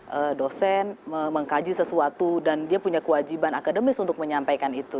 dia dosen mengkaji sesuatu dan dia punya kewajiban akademis untuk menyampaikan itu